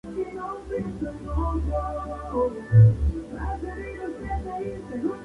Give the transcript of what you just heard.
Todas con el característico sabor andino que caracteriza a Robles.